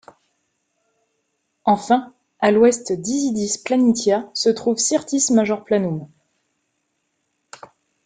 Enfin, à l'ouest d'Isidis Planitia se trouve Syrtis Major Planum.